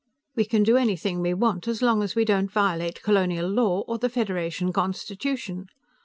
We can do anything we want as long as we don't violate colonial law or the Federation Constitution.